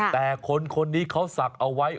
แต่คนนี้เขาศักดิ์เอาไว้